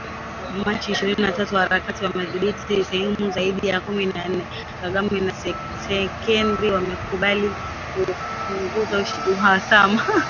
Machi ishirini na tatu Harakati wamedhibithi sehemu zaidi ya kumi na nne, Kagame na Tshisekedi wamekubali kupunguza uhasama.